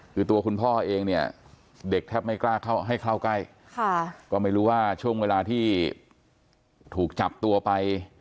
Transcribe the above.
คือตัวคุณพ่อเองเนี่ยเด็กแทบไม่กล้าเข้าให้เข้าใกล้ก็ไม่รู้ว่าช่วงเวลาที่ถูกจับตัวไป